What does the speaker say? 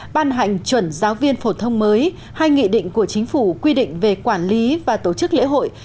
ban hành chuẩn giáo viên phổ thông mới hay nghị định của chính phủ quy định về quản lý và tổ chức lễ hội